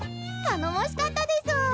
頼もしかったですぅ。